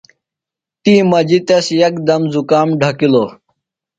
تی مجیۡ تس یکدم زُکام ڈھکِلوۡ۔